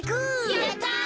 やった！